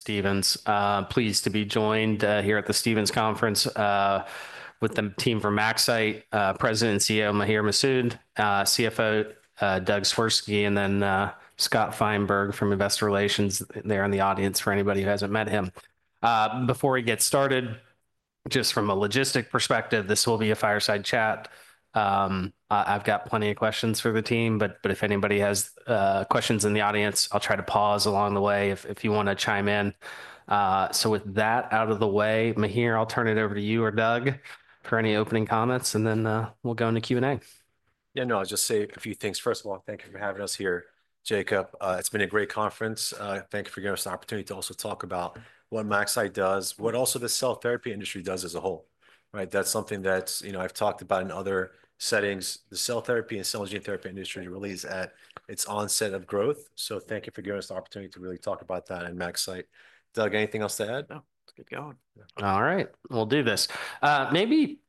Stephens, pleased to be joined here at the Stephens Conference with the team from MaxCyte, President and CEO Maher Masoud, CFO Doug Swirsky, and then Scott Feinberg from Investor Relations there in the audience for anybody who hasn't met him. Before we get started, just from a logistical perspective, this will be a fireside chat, so with that out of the way, Maher, I'll turn it over to you or Doug for any opening comments, and then we'll go into Q&A. Yeah, no, I'll just say a few things. First of all, thank you for having us here, Jacob. It's been a great conference. Thank you for giving us an opportunity to also talk about what MaxCyte does, what also the cell therapy industry does as a whole. That's something that I've talked about in other settings. The cell therapy and cell gene therapy industry really is at its onset of growth. So thank you for giving us the opportunity to really talk about that in MaxCyte. Doug, anything else to add? No, let's get going. All right, we'll do this. Maybe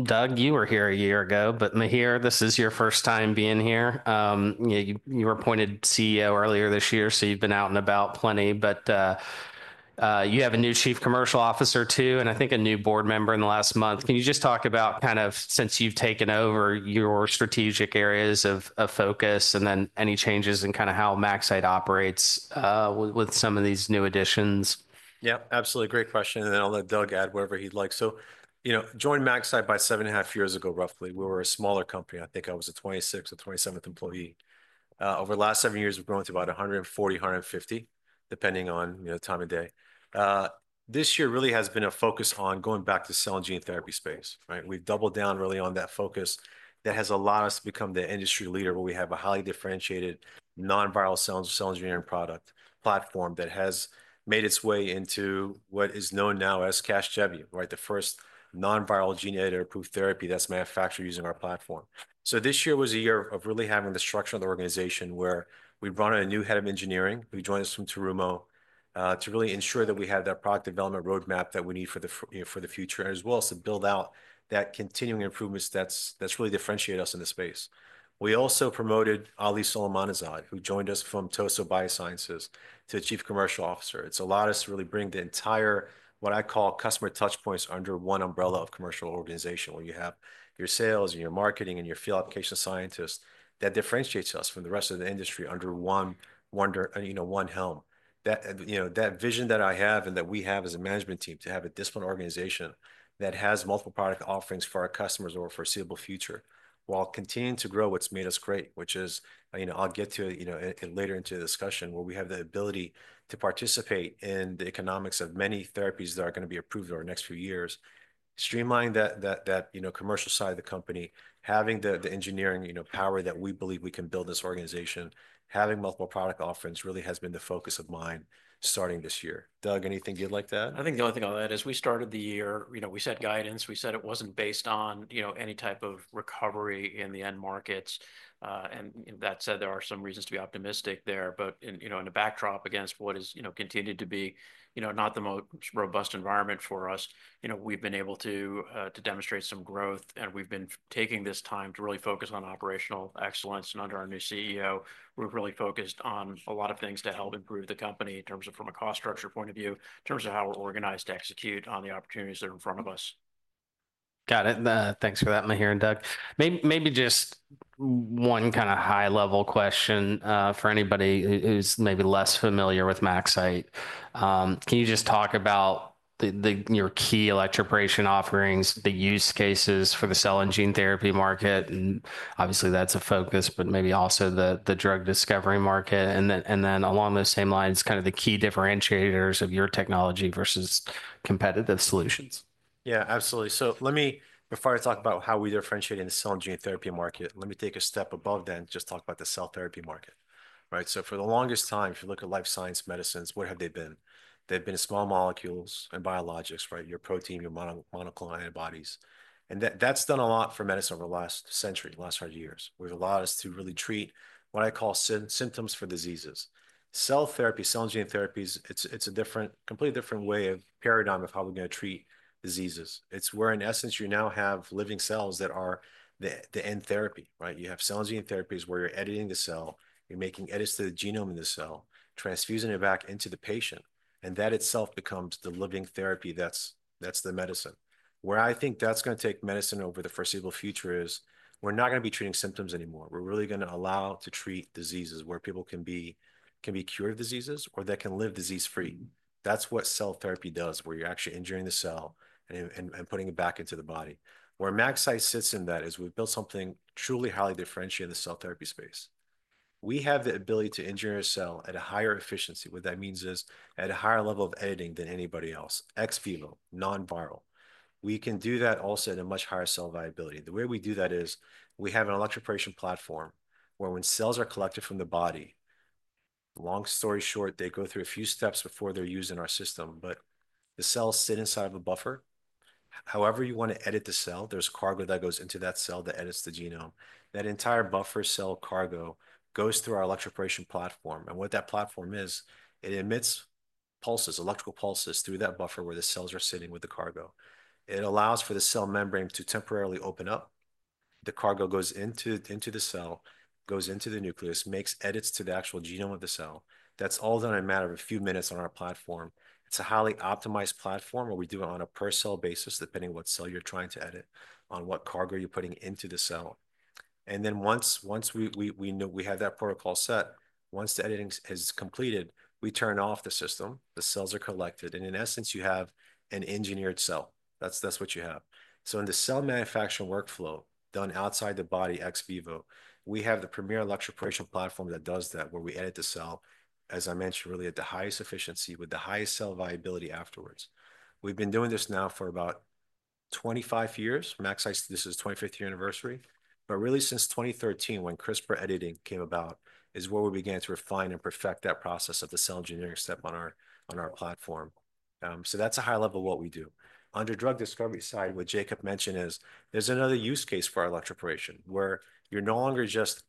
Doug, you were here a year ago, but Maher, this is your first time being here. You were appointed CEO earlier this year, so you've been out and about plenty, but you have a new Chief Commercial Officer too, and I think a new board member in the last month. Can you just talk about kind of since you've taken over your strategic areas of focus and then any changes in kind of how MaxCyte operates with some of these new additions? Yeah, absolutely. Great question, and then I'll let Doug add wherever he'd like. So, I joined MaxCyte about seven and a half years ago, roughly. We were a smaller company. I think I was the 26th or 27th employee. Over the last seven years, we've grown to about 140-150, depending on the time of day. This year really has been a focus on going back to the cell and gene therapy space. We've doubled down really on that focus. That has allowed us to become the industry leader where we have a highly differentiated non-viral cell genetic product platform that has made its way into what is known now as Casgevy, the first non-viral gene-edited approved therapy that's manufactured using our platform. So this year was a year of really having the structure of the organization where we brought in a new head of engineering who joined us from Terumo to really ensure that we have that product development roadmap that we need for the future, as well as to build out that continuing improvements that's really differentiated us in the space. We also promoted Ali Soleymannezhad, who joined us from Tosoh Bioscience, to Chief Commercial Officer. It's allowed us to really bring the entire, what I call, customer touchpoints under one umbrella of commercial organization, where you have your sales and your marketing and your field application scientists. That differentiates us from the rest of the industry under one helm. That vision that I have and that we have as a management team to have a disciplined organization that has multiple product offerings for our customers for a foreseeable future while continuing to grow what's made us great, which is, I'll get to it later into the discussion where we have the ability to participate in the economics of many therapies that are going to be approved over the next few years. Streamlining that commercial side of the company, having the engineering power that we believe we can build this organization, having multiple product offerings really has been the focus of mine starting this year. Doug, anything you'd like to add? I think the only thing I'll add is we started the year, we set guidance, we said it wasn't based on any type of recovery in the end markets. And that said, there are some reasons to be optimistic there, but in a backdrop against what has continued to be not the most robust environment for us, we've been able to demonstrate some growth, and we've been taking this time to really focus on operational excellence. And under our new CEO, we're really focused on a lot of things to help improve the company in terms of from a cost structure point of view, in terms of how we're organized to execute on the opportunities that are in front of us. Got it. Thanks for that, Maher and Doug. Maybe just one kind of high-level question for anybody who's maybe less familiar with MaxCyte. Can you just talk about your key electroporation offerings, the use cases for the cell and gene therapy market? Obviously, that's a focus, but maybe also the drug discovery market, and then along those same lines, kind of the key differentiators of your technology versus competitive solutions. Yeah, absolutely, so before I talk about how we differentiate in the cell and gene therapy market, let me take a step above that and just talk about the cell therapy market, so for the longest time, if you look at life science medicines, what have they been? They've been small molecules and biologics, your protein, your monoclonal antibodies, and that's done a lot for medicine over the last century, last 100 years, where it allowed us to really treat what I call symptoms for diseases. Cell therapy, cell and gene therapies, it's a completely different way of paradigm of how we're going to treat diseases. It's where, in essence, you now have living cells that are the end therapy. You have cell and gene therapies where you're editing the cell, you're making edits to the genome in the cell, transfusing it back into the patient. That itself becomes the living therapy. That's the medicine. Where I think that's going to take medicine over the foreseeable future is we're not going to be treating symptoms anymore. We're really going to be able to treat diseases where people can be cured of diseases or that can live disease-free. That's what cell therapy does, where you're actually engineering the cell and putting it back into the body. Where MaxCyte sits in that is we've built something truly highly differentiated in the cell therapy space. We have the ability to engineer a cell at a higher efficiency. What that means is at a higher level of editing than anybody else, ex vivo non-viral. We can do that also at a much higher cell viability. The way we do that is we have an electroporation platform where when cells are collected from the body, long story short, they go through a few steps before they're used in our system, but the cells sit inside of a buffer. However you want to edit the cell, there's cargo that goes into that cell that edits the genome. That entire buffer cell cargo goes through our electroporation platform, and what that platform is, it emits pulses, electrical pulses through that buffer where the cells are sitting with the cargo. It allows for the cell membrane to temporarily open up. The cargo goes into the cell, goes into the nucleus, makes edits to the actual genome of the cell. That's all done in a matter of a few minutes on our platform. It's a highly optimized platform where we do it on a per-cell basis, depending on what cell you're trying to edit, on what cargo you're putting into the cell. And then once we have that protocol set, once the editing is completed, we turn off the system, the cells are collected, and in essence, you have an engineered cell. That's what you have. So in the cell manufacturing workflow done outside the body, ex vivo, we have the premier electroporation platform that does that, where we edit the cell, as I mentioned, really at the highest efficiency with the highest cell viability afterwards. We've been doing this now for about 25 years. MaxCyte, this is the 25th year anniversary, but really since 2013, when CRISPR editing came about, is where we began to refine and perfect that process of the cell engineering step on our platform. That's a high level of what we do. On the drug discovery side, what Jacob mentioned is there's another use case for our electroporation where you're no longer just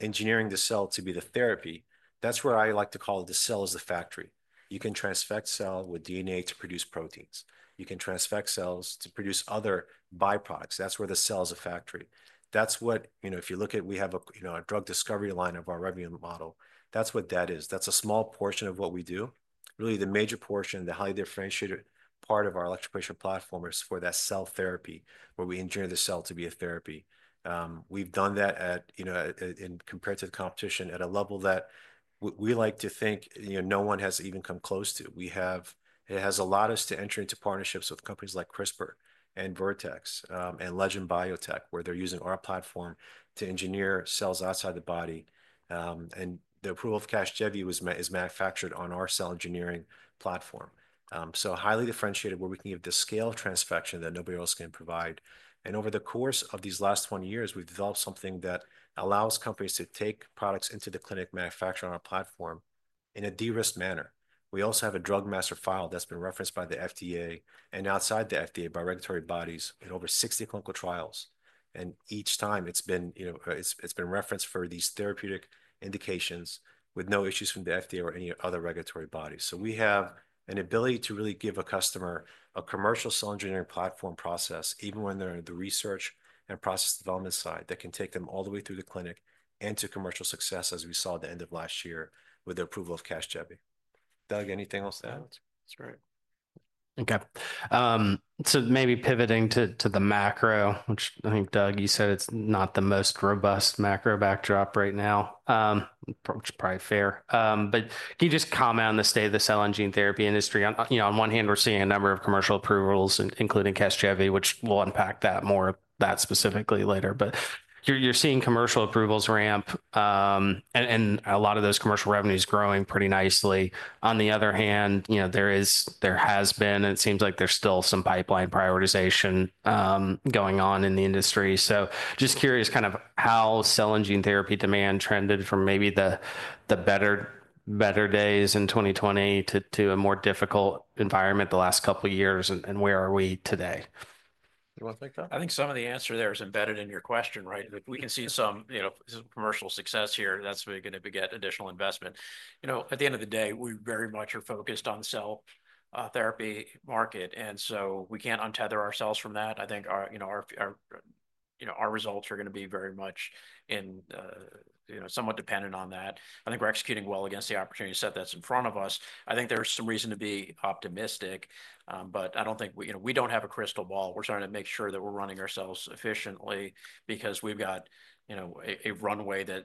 engineering the cell to be the therapy. That's where I like to call the cell as the factory. You can transfect cell with DNA to produce proteins. You can transfect cells to produce other byproducts. That's where the cell is a factory. That's what if you look at, we have a drug discovery line of our revenue model. That's what that is. That's a small portion of what we do. Really, the major portion, the highly differentiated part of our electroporation platform is for that cell therapy, where we engineer the cell to be a therapy. We've done that in comparative competition at a level that we like to think no one has even come close to. It has allowed us to enter into partnerships with companies like CRISPR and Vertex and Legend Biotech, where they're using our platform to engineer cells outside the body. And the approval of Casgevy is manufactured on our cell engineering platform. So highly differentiated, where we can give the scale of transfection that nobody else can provide. And over the course of these last 20 years, we've developed something that allows companies to take products into the clinic manufactured on our platform in a de-risk manner. We also have a drug master file that's been referenced by the FDA and outside the FDA by regulatory bodies in over 60 clinical trials. And each time, it's been referenced for these therapeutic indications with no issues from the FDA or any other regulatory bodies. So we have an ability to really give a customer a commercial cell engineering platform process, even when they're in the research and process development side, that can take them all the way through the clinic and to commercial success, as we saw at the end of last year with the approval of Casgevy. Doug, anything else to add? That's right. Okay. So maybe pivoting to the macro, which I think, Doug, you said it's not the most robust macro backdrop right now, which is probably fair. But can you just comment on the state of the cell and gene therapy industry? On one hand, we're seeing a number of commercial approvals, including Casgevy, which we'll unpack that more of that specifically later. But you're seeing commercial approvals ramp, and a lot of those commercial revenues growing pretty nicely. On the other hand, there has been, and it seems like there's still some pipeline prioritization going on in the industry. So just curious kind of how cell and gene therapy demand trended from maybe the better days in 2020 to a more difficult environment the last couple of years, and where are we today? Do you want to take that? I think some of the answer there is embedded in your question. We can see some commercial success here. That's where you're going to get additional investment. At the end of the day, we very much are focused on the cell therapy market. And so we can't untether ourselves from that. I think our results are going to be very much somewhat dependent on that. I think we're executing well against the opportunity set that's in front of us. I think there's some reason to be optimistic, but I don't think we don't have a crystal ball. We're trying to make sure that we're running ourselves efficiently because we've got a runway that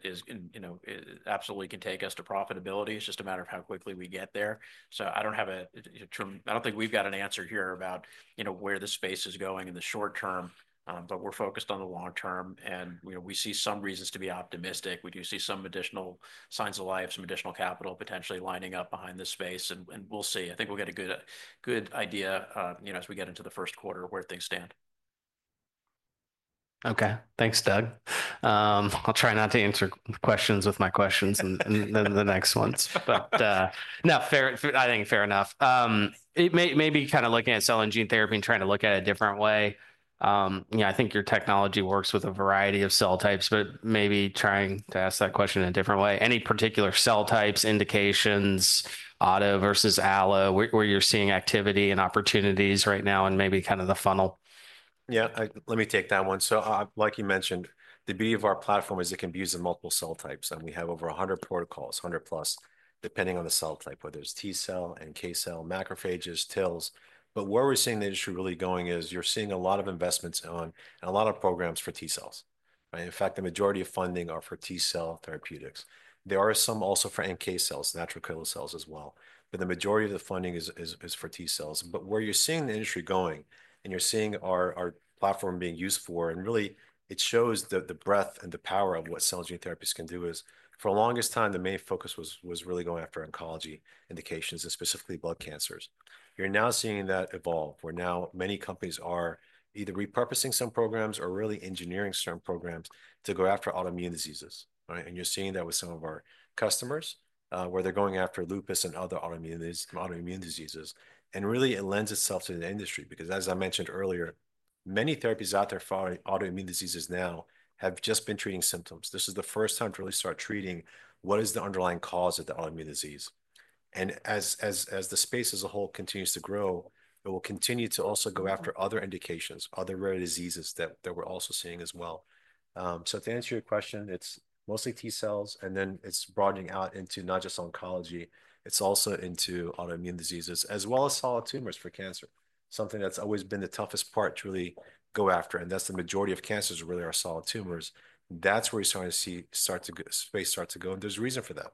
absolutely can take us to profitability. It's just a matter of how quickly we get there. So I don't have a take, I don't think we've got an answer here about where the space is going in the short term, but we're focused on the long term. And we see some reasons to be optimistic. We do see some additional signs of life, some additional capital potentially lining up behind this space. And we'll see. I think we'll get a good idea as we get into the first quarter where things stand. Okay. Thanks, Doug. I'll try not to answer questions with my questions and then the next ones. No, I think fair enough. Maybe kind of looking at cell and gene therapy and trying to look at it a different way. I think your technology works with a variety of cell types, but maybe trying to ask that question in a different way. Any particular cell types, indications, auto versus allo, where you're seeing activity and opportunities right now and maybe kind of the funnel? Yeah, let me take that one. So like you mentioned, the beauty of our platform is it can be used in multiple cell types. We have over 100 protocols, 100 plus, depending on the cell type, whether it's T cell and NK cell, macrophages, TILs. But where we're seeing the industry really going is you're seeing a lot of investments on a lot of programs for T cells. In fact, the majority of funding are for T cell therapeutics. There are some also for NK cells, natural killer cells as well. But the majority of the funding is for T cells. But where you're seeing the industry going and you're seeing our platform being used for, and really, it shows the breadth and the power of what cell and gene therapies can do is for the longest time, the main focus was really going after oncology indications and specifically blood cancers. You're now seeing that evolve. Where now many companies are either repurposing some programs or really engineering certain programs to go after autoimmune diseases. And you're seeing that with some of our customers where they're going after lupus and other autoimmune diseases. And really, it lends itself to the industry because, as I mentioned earlier, many therapies out there for autoimmune diseases now have just been treating symptoms. This is the first time to really start treating what is the underlying cause of the autoimmune disease. As the space as a whole continues to grow, it will continue to also go after other indications, other rare diseases that we're also seeing as well. So to answer your question, it's mostly T cells, and then it's broadening out into not just oncology, it's also into autoimmune diseases, as well as solid tumors for cancer, something that's always been the toughest part to really go after. That's the majority of cancers really are solid tumors. That's where you're starting to see space start to go. And there's a reason for that.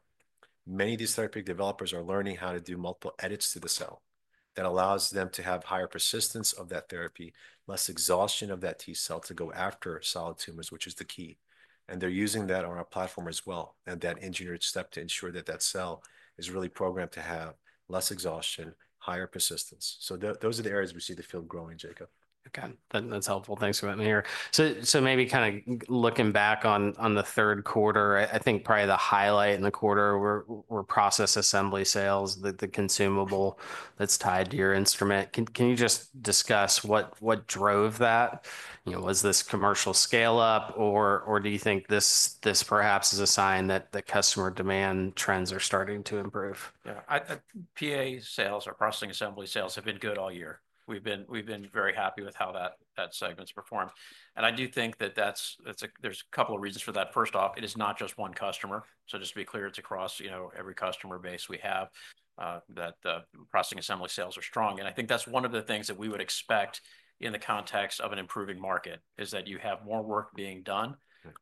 Many of these therapeutic developers are learning how to do multiple edits to the cell that allows them to have higher persistence of that therapy, less exhaustion of that T cell to go after solid tumors, which is the key. And they're using that on our platform as well, and that engineered step to ensure that that cell is really programmed to have less exhaustion, higher persistence. So those are the areas we see the field growing, Jacob. Okay. That's helpful. Thanks for letting me hear. So maybe kind of looking back on the third quarter, I think probably the highlight in the quarter was Processing Assembly sales, the consumable that's tied to your instrument. Can you just discuss what drove that? Was this commercial scale-up, or do you think this perhaps is a sign that the customer demand trends are starting to improve? Yeah. PA sales or Processing Assembly sales have been good all year. We've been very happy with how that segment's performed. And I do think that there's a couple of reasons for that. First off, it is not just one customer. So just to be clear, it's across every customer base we have that Processing Assembly sales are strong. And I think that's one of the things that we would expect in the context of an improving market is that you have more work being done.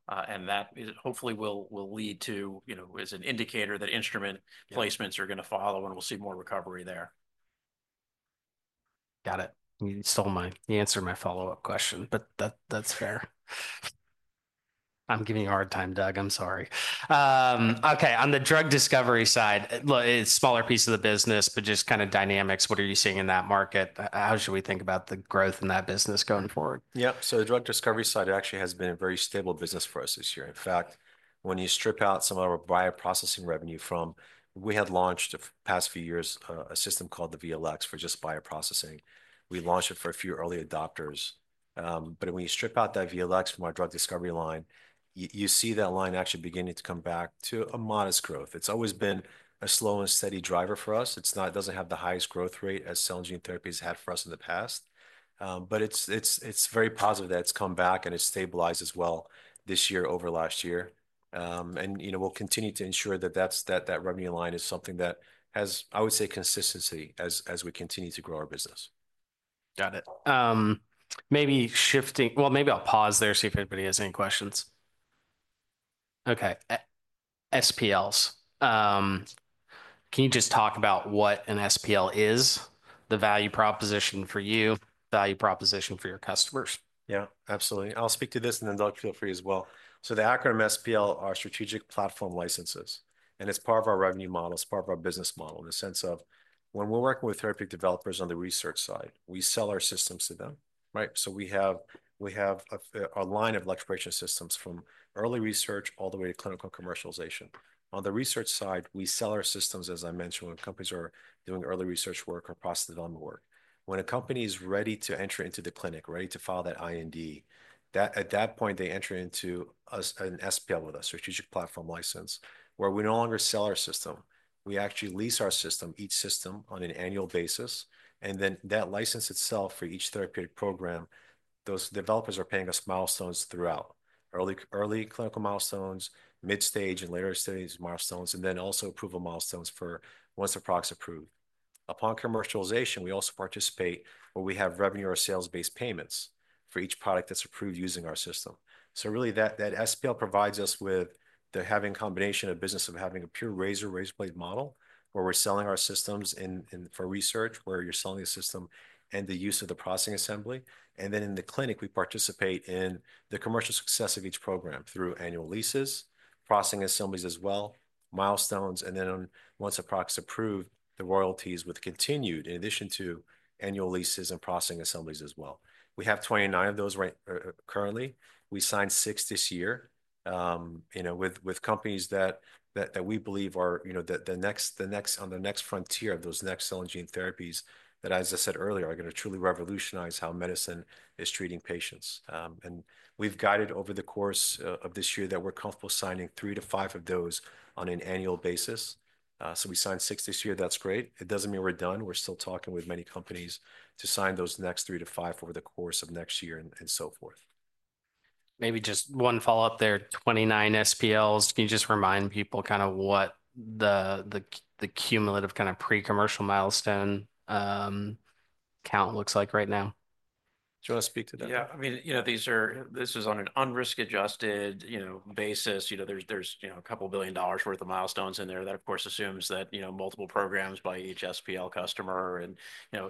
And that hopefully will lead to, as an indicator, that instrument placements are going to follow, and we'll see more recovery there. Got it. You stole the answer to my follow-up question, but that's fair. I'm giving you a hard time, Doug. I'm sorry. Okay. On the drug discovery side, it's a smaller piece of the business, but just kind of dynamics. What are you seeing in that market? How should we think about the growth in that business going forward? Yep. So the drug discovery side actually has been a very stable business for us this year. In fact, when you strip out some of our bioprocessing revenue from, we had launched the past few years a system called the VLX for just bioprocessing. We launched it for a few early adopters. But when you strip out that VLX from our drug discovery line, you see that line actually beginning to come back to a modest growth. It's always been a slow and steady driver for us. It doesn't have the highest growth rate as cell and gene therapies had for us in the past. But it's very positive that it's come back and it's stabilized as well this year over last year. And we'll continue to ensure that that revenue line is something that has, I would say, consistency as we continue to grow our business. Got it. Well, maybe I'll pause there and see if anybody has any questions. Okay. SPLs. Can you just talk about what an SPL is, the value proposition for you, value proposition for your customers? Yeah, absolutely. I'll speak to this, and then Doug, feel free as well. So the acronym SPL are Strategic Platform Licenses. And it's part of our revenue model, it's part of our business model in the sense of when we're working with therapeutic developers on the research side, we sell our systems to them. So we have a line of electroporation systems from early research all the way to clinical commercialization. On the research side, we sell our systems, as I mentioned, when companies are doing early research work or process development work. When a company is ready to enter into the clinic, ready to file that IND, at that point, they enter into an SPL with us, Strategic Platform License, where we no longer sell our system. We actually lease our system, each system on an annual basis. Then that license itself for each therapeutic program, those developers are paying us milestones throughout: early clinical milestones, mid-stage and later stage milestones, and then also approval milestones for once a product's approved. Upon commercialization, we also participate where we have revenue or sales-based payments for each product that's approved using our system. So really, that SPL provides us with having a combination of business of having a pure razor-blade model where we're selling our systems for research, where you're selling the system and the use of the processing assembly. And then in the clinic, we participate in the commercial success of each program through annual leases, processing assemblies as well, milestones, and then once a product's approved, the royalties with continued in addition to annual leases and processing assemblies as well. We have 29 of those currently. We signed six this year with companies that we believe are on the next frontier of those next cell and gene therapies that, as I said earlier, are going to truly revolutionize how medicine is treating patients. And we've guided over the course of this year that we're comfortable signing three to five of those on an annual basis. So we signed six this year. That's great. It doesn't mean we're done. We're still talking with many companies to sign those next three to five over the course of next year and so forth. Maybe just one follow-up there. 29 SPLs. Can you just remind people kind of what the cumulative kind of pre-commercial milestone count looks like right now? Do you want to speak to that? Yeah. I mean, this is on an unrisk-adjusted basis. There's $2 billion worth of milestones in there that, of course, assumes that multiple programs by each SPL customer and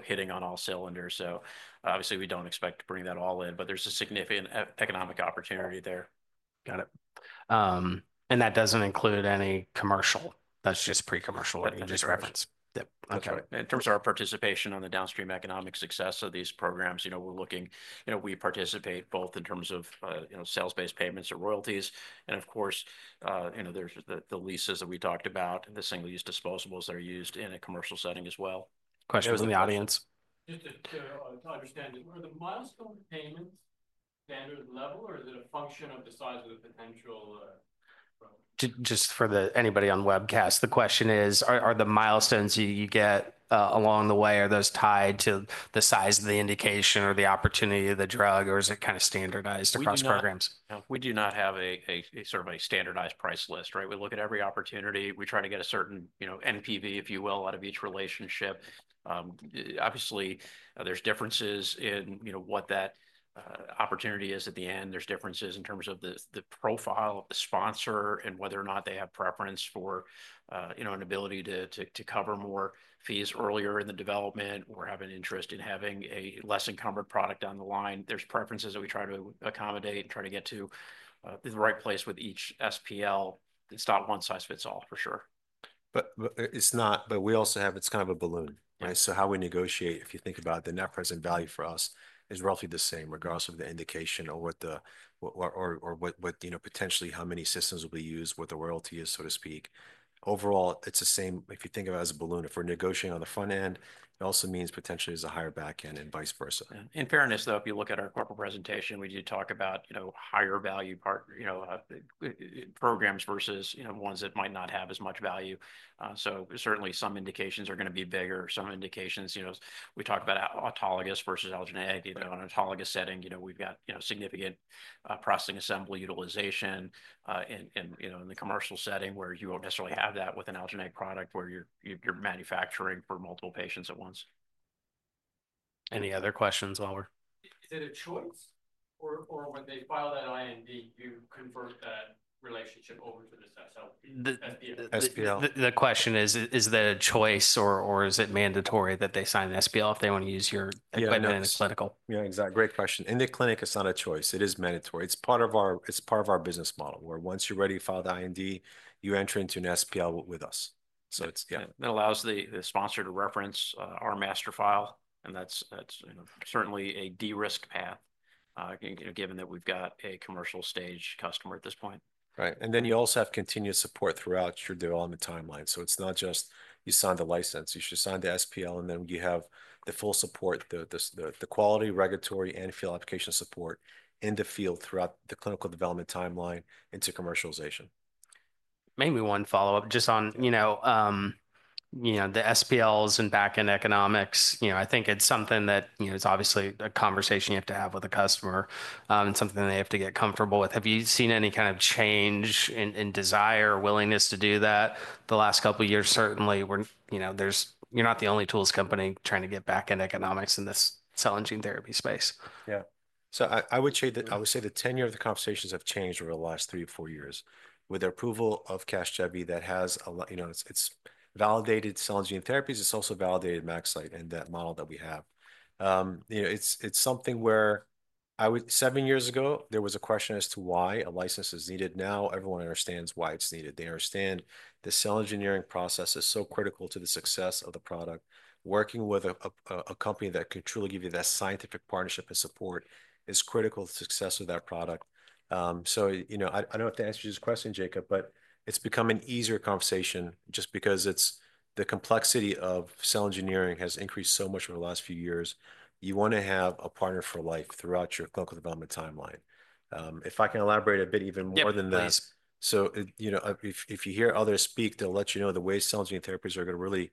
hitting on all cylinders. So obviously, we don't expect to bring that all in, but there's a significant economic opportunity there. Got it. That doesn't include any commercial? That's just pre-commercial that you just referenced. Yep. Okay. In terms of our participation on the downstream economic success of these programs, we're looking, we participate both in terms of sales-based payments or royalties, and of course, there's the leases that we talked about, the single-use disposables that are used in a commercial setting as well. Question was in the audience. Just to understand, are the milestone payments standard level, or is it a function of the size of the potential? Just for anybody on webcast, the question is, are the milestones you get along the way, are those tied to the size of the indication or the opportunity of the drug, or is it kind of standardized across programs? We do not have a sort of a standardized price list, right? We look at every opportunity. We try to get a certain NPV, if you will, out of each relationship. Obviously, there's differences in what that opportunity is at the end. There's differences in terms of the profile of the sponsor and whether or not they have preference for an ability to cover more fees earlier in the development. We're having interest in having a less encumbered product down the line. There's preferences that we try to accommodate and try to get to the right place with each SPL. It's not one-size-fits-all, for sure. But we also have it's kind of a balloon, right? So how we negotiate, if you think about the net present value for us, is roughly the same regardless of the indication or what potentially how many systems will be used, what the royalty is, so to speak. Overall, it's the same if you think of it as a balloon. If we're negotiating on the front end, it also means potentially there's a higher backend and vice versa. In fairness, though, if you look at our corporate presentation, we do talk about higher-value programs versus ones that might not have as much value. So certainly, some indications are going to be bigger. Some indications, we talk about autologous versus allogeneic. In an autologous setting, we've got significant processing assembly utilization in the commercial setting where you won't necessarily have that with an allogeneic product where you're manufacturing for multiple patients at once. Any other questions, Oliver? Is it a choice? Or when they file that IND, you convert that relationship over to the SPL? The question is, is that a choice, or is it mandatory that they sign an SPL if they want to use your equipment in a clinical? Yeah, exactly. Great question. In the clinic, it's not a choice. It is mandatory. It's part of our business model where once you're ready to file the IND, you enter into an SPL with us. So it's, yeah. That allows the sponsor to reference our master file. And that's certainly a de-risk path, given that we've got a commercial-stage customer at this point. Right. And then you also have continuous support throughout your development timeline. So it's not just you sign the license. You should sign the SPL, and then you have the full support, the quality, regulatory, and field application support in the field throughout the clinical development timeline into commercialization. Maybe one follow-up just on the SPLs and backend economics. I think it's something that it's obviously a conversation you have to have with a customer and something they have to get comfortable with. Have you seen any kind of change in desire or willingness to do that the last couple of years? Certainly, you're not the only tools company trying to get backend economics in this cell and gene therapy space. Yeah. So I would say the tenor of the conversations has changed over the last three or four years with the approval of Casgevy that has validated cell and gene therapies. It's also validated MaxCyte and that model that we have. It's something where seven years ago, there was a question as to why a license is needed. Now everyone understands why it's needed. They understand the cell engineering process is so critical to the success of the product. Working with a company that can truly give you that scientific partnership and support is critical to the success of that product. So I don't have to answer you this question, Jacob, but it's become an easier conversation just because the complexity of cell engineering has increased so much over the last few years. You want to have a partner for life throughout your clinical development timeline. If I can elaborate a bit even more than this. So if you hear others speak, they'll let you know the way cell and gene therapies are going to really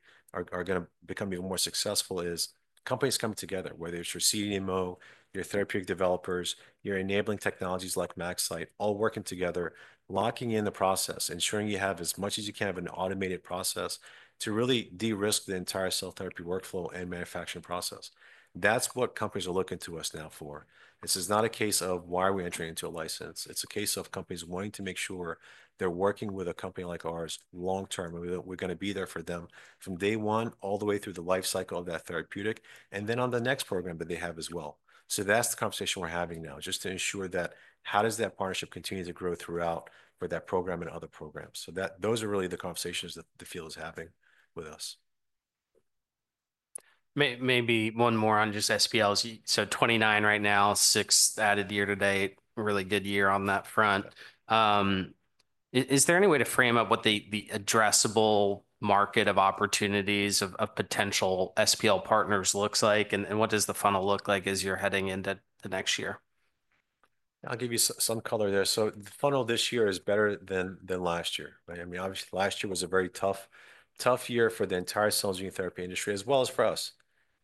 become even more successful is companies come together where there's your CDMO, your therapeutic developers, your enabling technologies like MaxCyte, all working together, locking in the process, ensuring you have as much as you can of an automated process to really de-risk the entire cell therapy workflow and manufacturing process. That's what companies are looking to us now for. This is not a case of why are we entering into a license. It's a case of companies wanting to make sure they're working with a company like ours long-term. We're going to be there for them from day one all the way through the life cycle of that therapeutic and then on the next program that they have as well. So that's the conversation we're having now, just to ensure that how does that partnership continue to grow throughout for that program and other programs. So those are really the conversations that the field is having with us. Maybe one more on just SPLs. So 29 right now, sixth added year to date, really good year on that front. Is there any way to frame up what the addressable market of opportunities of potential SPL partners looks like? And what does the funnel look like as you're heading into the next year? I'll give you some color there. So the funnel this year is better than last year. I mean, obviously, last year was a very tough year for the entire cell and gene therapy industry as well as for us.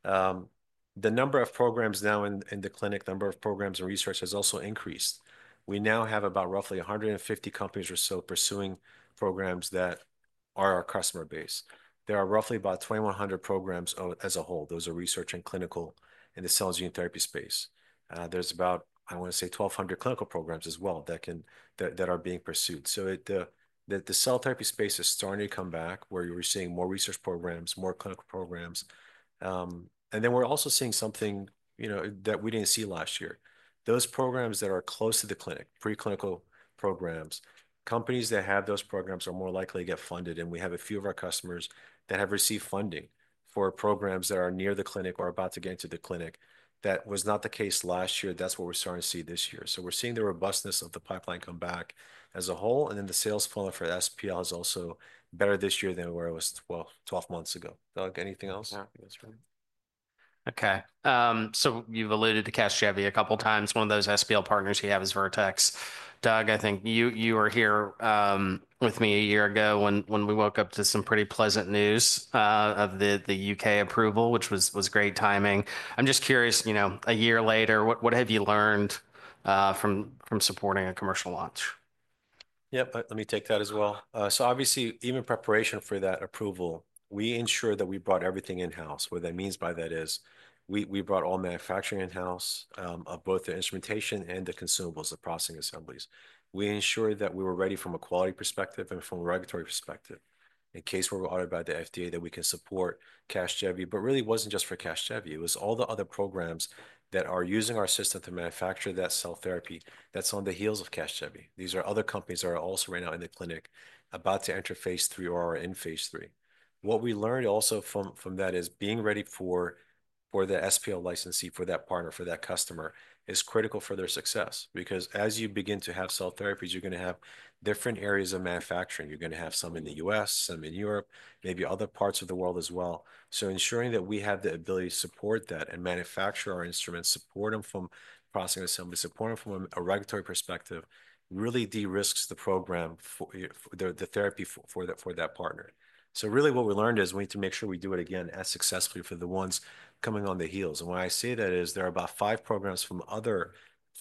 The number of programs now in the clinic, the number of programs and research has also increased. We now have about roughly 150 companies or so pursuing programs that are our customer base. There are roughly about 2,100 programs as a whole. Those are research and clinical in the cell and gene therapy space. There's about, I want to say, 1,200 clinical programs as well that are being pursued. So the cell therapy space is starting to come back where we're seeing more research programs, more clinical programs. And then we're also seeing something that we didn't see last year. Those programs that are close to the clinic, pre-clinical programs, companies that have those programs are more likely to get funded. And we have a few of our customers that have received funding for programs that are near the clinic or about to get into the clinic. That was not the case last year. That's what we're starting to see this year. So we're seeing the robustness of the pipeline come back as a whole. And then the sales funnel for SPL is also better this year than where it was 12 months ago. Doug, anything else? No. That's fine. Okay. So you've alluded to Casgevy a couple of times. One of those SPL partners you have is Vertex. Doug, I think you were here with me a year ago when we woke up to some pretty pleasant news of the UK approval, which was great timing. I'm just curious, a year later, what have you learned from supporting a commercial launch? Yep. Let me take that as well. So obviously, even preparation for that approval, we ensured that we brought everything in-house. What that means by that is we brought all manufacturing in-house of both the instrumentation and the consumables, the processing assemblies. We ensured that we were ready from a quality perspective and from a regulatory perspective in case we were audited by the FDA that we can support Casgevy, but really wasn't just for Casgevy. It was all the other programs that are using our system to manufacture that cell therapy that's on the heels of Casgevy. These are other companies that are also right now in the clinic about to enter phase III or are in phase III. What we learned also from that is being ready for the SPL licensee for that partner, for that customer is critical for their success because as you begin to have cell therapies, you're going to have different areas of manufacturing. You're going to have some in the U.S., some in Europe, maybe other parts of the world as well. So ensuring that we have the ability to support that and manufacture our instruments, support them from processing assembly, support them from a regulatory perspective really de-risks the program, the therapy for that partner. So really what we learned is we need to make sure we do it again as successfully for the ones coming on the heels. And when I say that is there are about five programs from other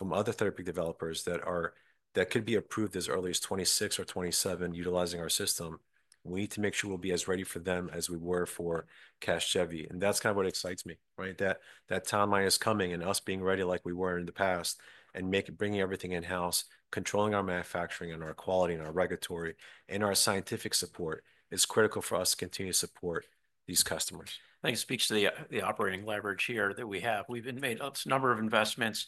therapy developers that could be approved as early as 2026 or 2027 utilizing our system. We need to make sure we'll be as ready for them as we were for Casgevy. And that's kind of what excites me, right? That timeline is coming and us being ready like we were in the past and bringing everything in-house, controlling our manufacturing and our quality and our regulatory and our scientific support is critical for us to continue to support these customers. I can speak to the operating leverage here that we have. We've made a number of investments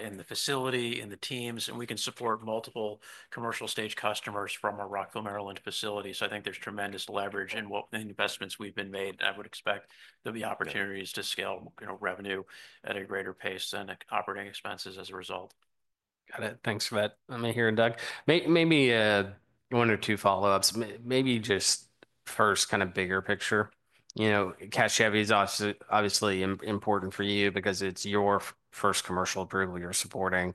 in the facility, in the teams, and we can support multiple commercial-stage customers from our Rockville, Maryland facility. So I think there's tremendous leverage in the investments we've made. I would expect there'll be opportunities to scale revenue at a greater pace than operating expenses as a result. Got it. Thanks for that. Let me hear it, Doug. Maybe one or two follow-ups. Maybe just first kind of bigger picture. Casgevy is obviously important for you because it's your first commercial approval you're supporting.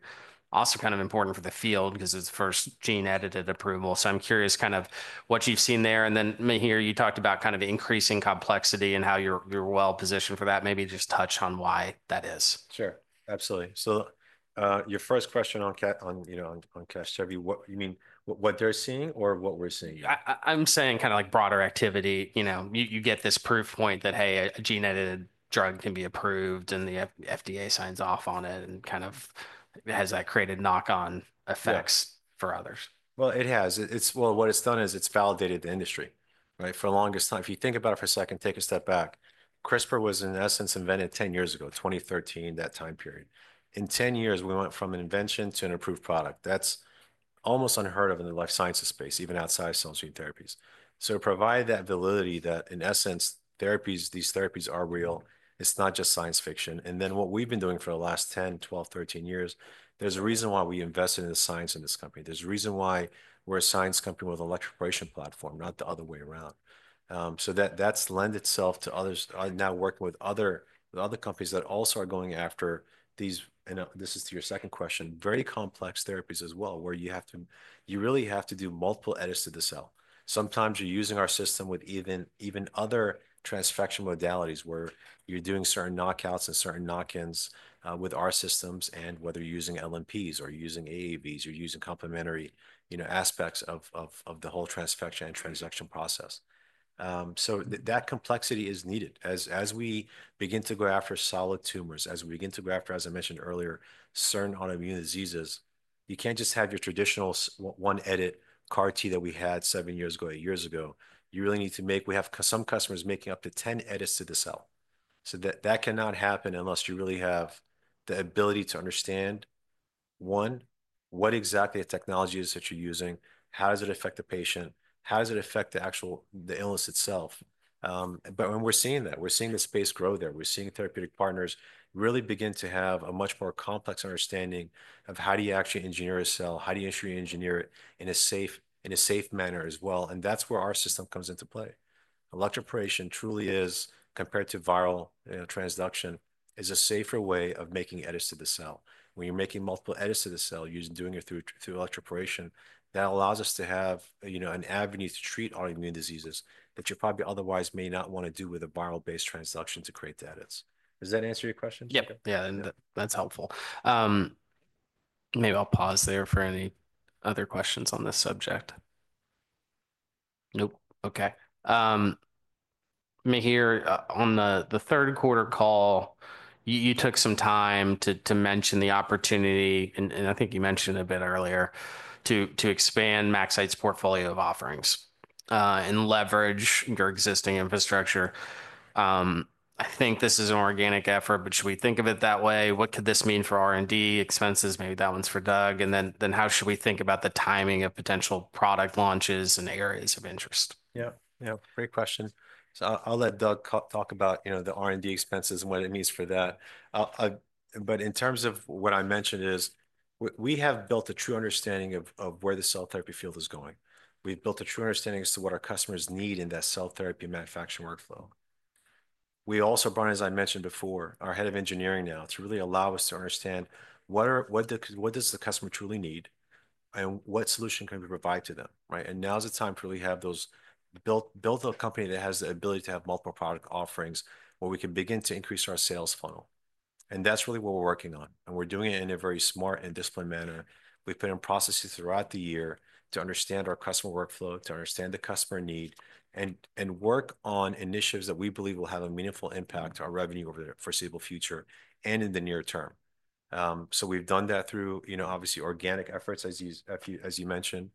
Also kind of important for the field because it's the first gene-edited approval. So I'm curious kind of what you've seen there. And then let me hear you talked about kind of increasing complexity and how you're well-positioned for that. Maybe just touch on why that is. Sure. Absolutely. So your first question on Casgevy, you mean what they're seeing or what we're seeing? I'm saying kind of like broader activity. You get this proof point that, hey, a gene-edited drug can be approved and the FDA signs off on it and kind of has that created knock-on effects for others. It has. What it's done is it's validated the industry, right, for the longest time. If you think about it for a second, take a step back. CRISPR was, in essence, invented 10 years ago, 2013, that time period. In 10 years, we went from an invention to an approved product. That's almost unheard of in the life sciences space, even outside of cell and gene therapies. It provided that validity that, in essence, these therapies are real. It's not just science fiction, and then what we've been doing for the last 10, 12, 13 years, there's a reason why we invested in the science in this company. There's a reason why we're a science company with an electroporation platform, not the other way around. So that's lent itself to others now working with other companies that also are going after these, and this is to your second question, very complex therapies as well where you really have to do multiple edits to the cell. Sometimes you're using our system with even other transfection modalities where you're doing certain knockouts and certain knock-ins with our systems and whether you're using LNPs or you're using AAVs or you're using complementary aspects of the whole transfection and transduction process. So that complexity is needed as we begin to go after solid tumors, as we begin to go after, as I mentioned earlier, certain autoimmune diseases. You can't just have your traditional one edit CAR-T that we had seven years ago, eight years ago. You really need to make. We have some customers making up to 10 edits to the cell. That cannot happen unless you really have the ability to understand, one, what exactly the technology is that you're using, how does it affect the patient, how does it affect the illness itself. But when we're seeing that, we're seeing the space grow there. We're seeing therapeutic partners really begin to have a much more complex understanding of how do you actually engineer a cell, how do you actually engineer it in a safe manner as well. And that's where our system comes into play. Electroporation truly is, compared to viral transduction, a safer way of making edits to the cell. When you're making multiple edits to the cell, you're doing it through electroporation. That allows us to have an avenue to treat autoimmune diseases that you probably otherwise may not want to do with a viral-based transduction to create the edits. Does that answer your question? Yeah. Yeah. That's helpful. Maybe I'll pause there for any other questions on this subject. Nope. Okay. Let me turn to the third quarter call. You took some time to mention the opportunity, and I think you mentioned a bit earlier, to expand MaxCyte's portfolio of offerings and leverage your existing infrastructure. I think this is an organic effort, but should we think of it that way? What could this mean for R&D expenses? Maybe that one's for Doug. And then how should we think about the timing of potential product launches and areas of interest? Yeah. Yeah. Great question. So I'll let Doug talk about the R&D expenses and what it means for that. But in terms of what I mentioned, we have built a true understanding of where the cell therapy field is going. We've built a true understanding as to what our customers need in that cell therapy manufacturing workflow. We also, as I mentioned before, have a head of engineering now to really allow us to understand what does the customer truly need and what solution can we provide to them, right? And now is the time to really build a company that has the ability to have multiple product offerings where we can begin to increase our sales funnel. And that's really what we're working on. And we're doing it in a very smart and disciplined manner. We've put in processes throughout the year to understand our customer workflow, to understand the customer need, and work on initiatives that we believe will have a meaningful impact on our revenue over the foreseeable future and in the near term. So we've done that through, obviously, organic efforts, as you mentioned.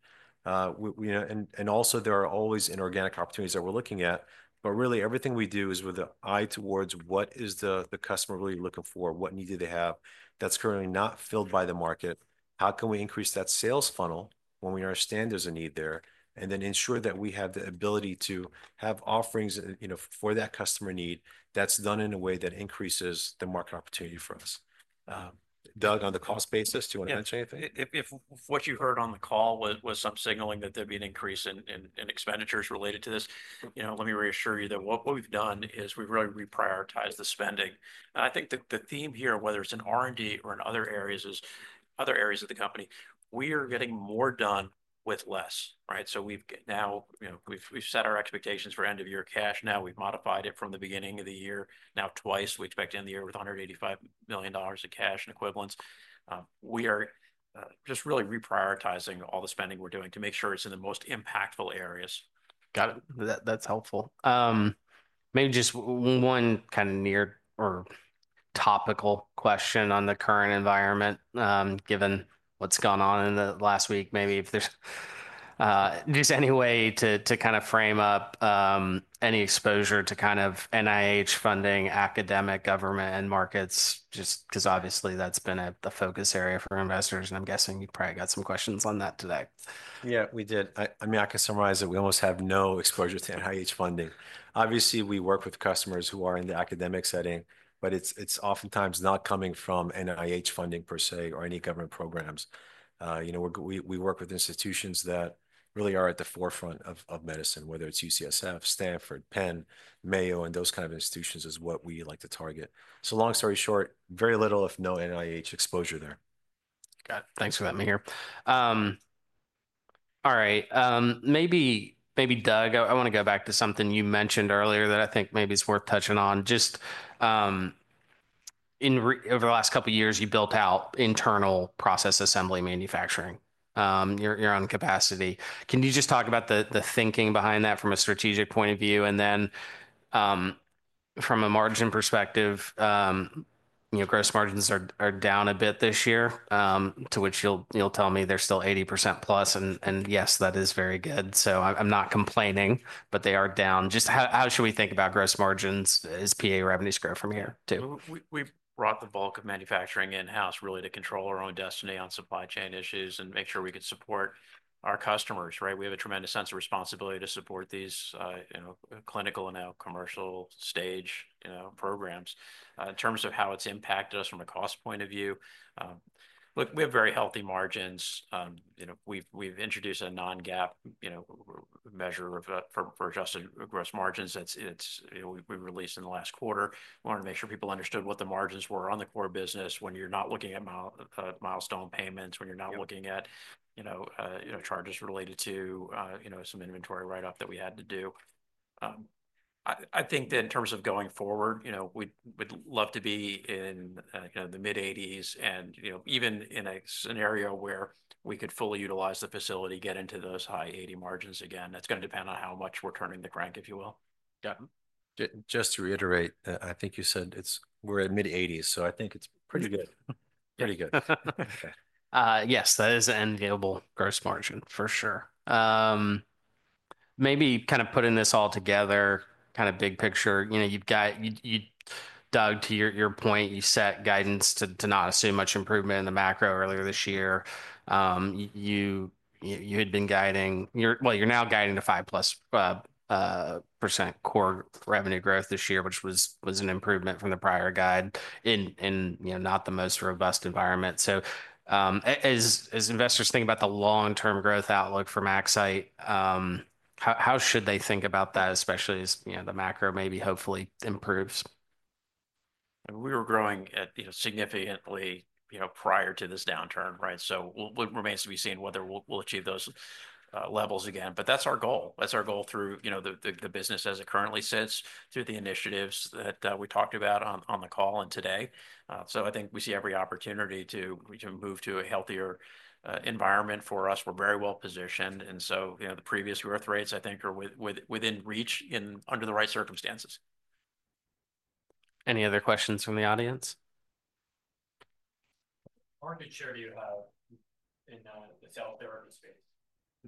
And also, there are always inorganic opportunities that we're looking at. But really, everything we do is with an eye towards what is the customer really looking for, what need do they have that's currently not filled by the market? How can we increase that sales funnel when we understand there's a need there and then ensure that we have the ability to have offerings for that customer need that's done in a way that increases the market opportunity for us? Doug, on the cost basis, do you want to mention anything? If what you heard on the call was some signaling that there'd be an increase in expenditures related to this, let me reassure you that what we've done is we've really reprioritized the spending, and I think the theme here, whether it's in R&D or in other areas of the company, we are getting more done with less, right, so now we've set our expectations for end-of-year cash. Now we've modified it from the beginning of the year. Now twice, we expect end-of-year with $185 million in cash and equivalents. We are just really reprioritizing all the spending we're doing to make sure it's in the most impactful areas. Got it. That's helpful. Maybe just one kind of near or topical question on the current environment, given what's gone on in the last week, maybe if there's just any way to kind of frame up any exposure to kind of NIH funding, academic, government, and markets, just because obviously that's been a focus area for investors. And I'm guessing you probably got some questions on that today. Yeah, we did. I mean, I can summarize that we almost have no exposure to NIH funding. Obviously, we work with customers who are in the academic setting, but it's oftentimes not coming from NIH funding per se or any government programs. We work with institutions that really are at the forefront of medicine, whether it's UCSF, Stanford, Penn, Mayo, and those kind of institutions is what we like to target. So long story short, very little, if no NIH exposure there. Got it. Thanks for that, Maher. All right. Maybe, Doug, I want to go back to something you mentioned earlier that I think maybe it's worth touching on. Just over the last couple of years, you built out internal Processing Assembly manufacturing. You're on capacity. Can you just talk about the thinking behind that from a strategic point of view? And then from a margin perspective, gross margins are down a bit this year, to which you'll tell me they're still 80% plus. And yes, that is very good. So I'm not complaining, but they are down. Just how should we think about gross margins as PA revenues grow from here too? We brought the bulk of manufacturing in-house really to control our own destiny on supply chain issues and make sure we could support our customers, right? We have a tremendous sense of responsibility to support these clinical and now commercial stage programs. In terms of how it's impacted us from a cost point of view, look, we have very healthy margins. We've introduced a non-GAAP measure for adjusted gross margins that we released in the last quarter. We wanted to make sure people understood what the margins were on the core business when you're not looking at milestone payments, when you're not looking at charges related to some inventory write-up that we had to do. I think that in terms of going forward, we'd love to be in the mid-80s% and even in a scenario where we could fully utilize the facility, get into those high 80% margins again. That's going to depend on how much we're turning the crank, if you will. Got it. Just to reiterate, I think you said we're at mid-80s, so I think it's pretty good. Pretty good. Yes, that is an enviable gross margin for sure. Maybe kind of putting this all together, kind of big picture. Doug, to your point, you set guidance to not assume much improvement in the macro earlier this year. You had been guiding, well, you're now guiding to 5% plus core revenue growth this year, which was an improvement from the prior guide in not the most robust environment. So as investors think about the long-term growth outlook for MaxCyte, how should they think about that, especially as the macro maybe hopefully improves? We were growing significantly prior to this downturn, right? So it remains to be seen whether we'll achieve those levels again. But that's our goal. That's our goal through the business as it currently sits, through the initiatives that we talked about on the call and today. So I think we see every opportunity to move to a healthier environment for us. We're very well positioned. And so the previous growth rates, I think, are within reach under the right circumstances. Any other questions from the audience?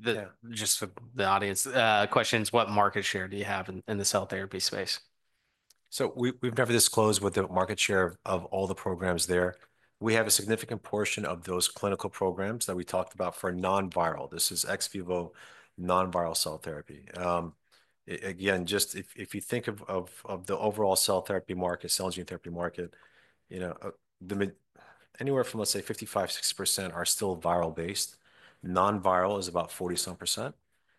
What market share do you have in the cell therapy space? Just for the audience questions, what market share do you have in the cell therapy space? So we've never disclosed what the market share of all the programs there. We have a significant portion of those clinical programs that we talked about for non-viral. This is ex vivo non-viral cell therapy. Again, just if you think of the overall cell therapy market, cell gene therapy market, anywhere from, let's say, 55-60% are still viral-based. Non-viral is about 40-some %.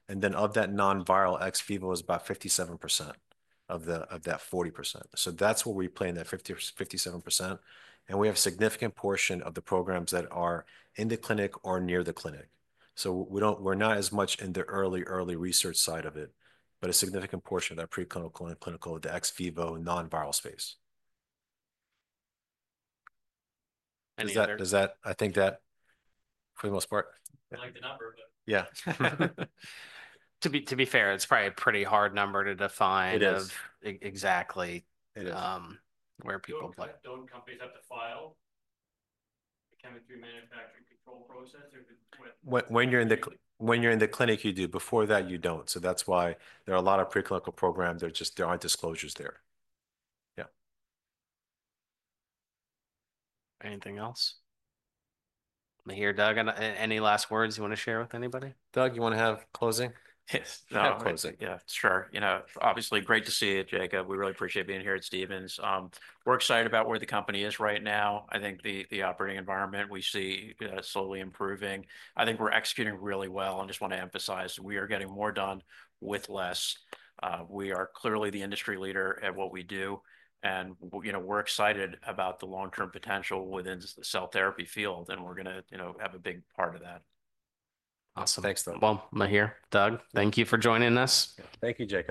And then of that non-viral, ex vivo is about 57% of that 40%. So that's where we play in that 57%. And we have a significant portion of the programs that are in the clinic or near the clinic. So we're not as much in the early, early research side of it, but a significant portion of that preclinical and clinical, the ex vivo non-viral space. Any other? I think that for the most part. I like the number, but. Yeah. To be fair, it's probably a pretty hard number to define. It is. Exactly. It is. Where people play. Don't companies have to file a chemistry, manufacturing, and controls process? When you're in the clinic, you do. Before that, you don't. So that's why there are a lot of preclinical programs. There aren't disclosures there. Yeah. Anything else? Maher, Doug, any last words you want to share with anybody? Doug, you want to have closing? Yes. No, closing. Yeah. Sure. Obviously, great to see you, Jacob. We really appreciate being here at Stephens. We're excited about where the company is right now. I think the operating environment we see is slowly improving. I think we're executing really well. I just want to emphasize we are getting more done with less. We are clearly the industry leader at what we do, and we're excited about the long-term potential within the cell therapy field, and we're going to have a big part of that. Awesome. Thanks, Doug. Maher, Doug, thank you for joining us. Thank you, Jacob.